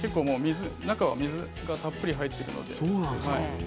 中には水分がたっぷり入っています。